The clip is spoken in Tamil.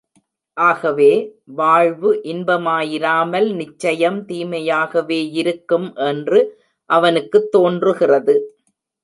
ஆகவே, வாழ்வு இன்பமாயிராமல் நிச்சயம் தீமையாகவேயிருக்கும் என்று அவனுக்குத் தோன்றுகிறது.